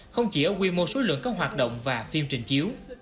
không chỉ ở quy mô số lượng các hoạt động và phim trình chiếu